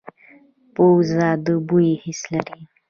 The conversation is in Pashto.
پوزه د بوی حس لري